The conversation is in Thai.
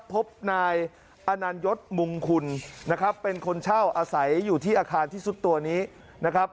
พบนายอนันยศมุงคุณนะครับเป็นคนเช่าอาศัยอยู่ที่อาคารที่สุดตัวนี้นะครับ